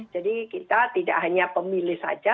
jadi kita tidak hanya pemilih saja